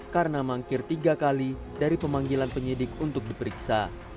karena mangkir tiga kali dari pemanggilan penyidik untuk diperiksa